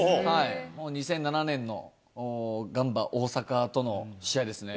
２００７年のガンバ大阪との試合ですね。